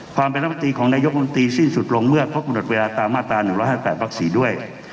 ความประทับตีของนายกรติสิ้นสุดลงเมื่อพบนุษย์เวลาตามมาตรา๑๘๘หรัก๔ด้วย